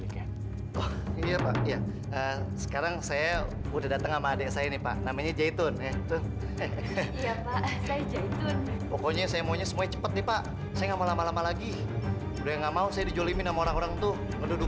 kalau kambingnya perempuan nanti dia malu